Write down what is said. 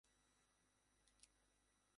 এমন সময়ে দেশে এল বন্যা।